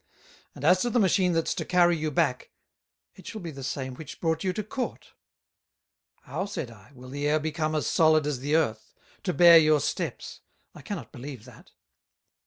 And as to the Machine that's to carry you back, it shall be the same which brought you to Court." "How," said I, "will the Air become as solid as the Earth, to bear your steps? I cannot believe that."